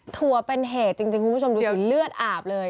ถั่วเป็นเหตุจริงคุณผู้ชมดูสิเลือดอาบเลย